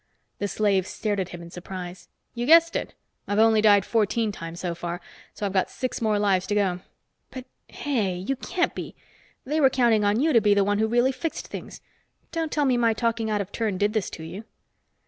The slave stared at him in surprise. "You guessed it. I've died only fourteen times so far, so I've got six more lives to go. But hey, you can't be! They were counting on you to be the one who really fixed things. Don't tell me my talking out of turn did this to you."